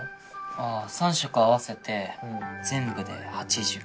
あぁ３色合わせて全部で８０。